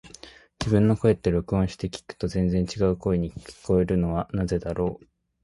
自分の声って、録音して聞くと全然違う声に聞こえるのはなぜだろう。